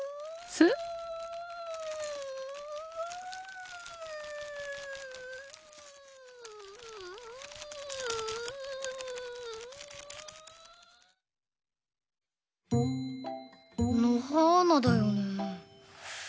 ぷ。のはーなだよね？